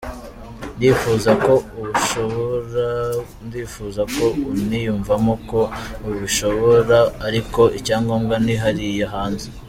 Ndifuza ko ubishobora, ndifuza ko uniyumvamo ko ubishobora ariko icyangombwa ni hariya hanze.